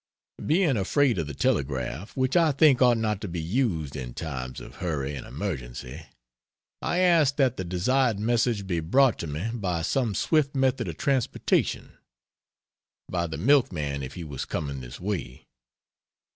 Being afraid of the telegraph which I think ought not to be used in times of hurry and emergency I asked that the desired message be brought to me by some swift method of transportation. By the milkman, if he was coming this way.